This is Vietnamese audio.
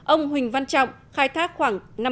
ông huỳnh văn trọng khai thác khoảng năm mươi